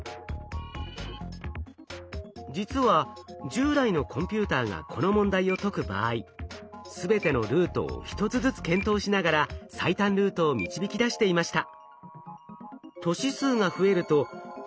実は従来のコンピューターがこの問題を解く場合全てのルートを一つずつ検討しながら最短ルートを導き出していました。